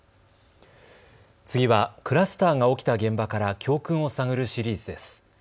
次はクラスターが起きた現場から教訓を探るシリーズです。